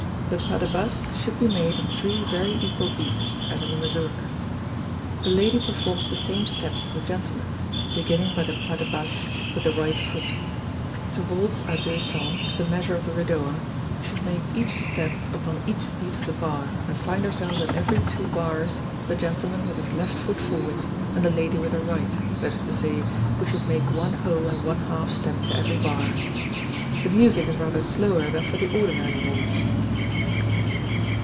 The pas de basque should be made in three very equal beats, as in the Mazurka. The lady performs the same steps as the gentleman, beginning by the pas de basque with the right foot. To waltz à deux temps to the measure of the Redowa, we should make each step upon each beat of the bar, and find ourselves at every two bars, the gentleman with his left foot forwards, and the lady with her right, that is to say, we should make one whole and one half step to every bar. The music is rather slower than for the ordinary waltz.